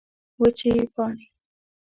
وچې پاڼې